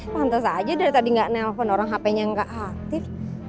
mantas aja dari tadi gak nelfon orang hpnya gak aktif